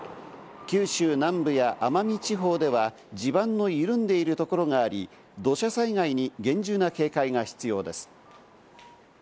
九州南部や奄美地方では地盤の緩んでいるところがあり、土砂災害に厳重な警戒が必要です。